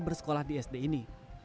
bersekolah di sd ini